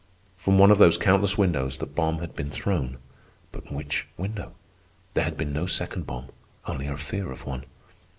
From one of those countless windows the bomb had been thrown, but which window? There had been no second bomb, only a fear of one.